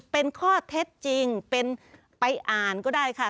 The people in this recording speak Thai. เป็นข้อเท็จจริงเป็นไปอ่านก็ได้ค่ะ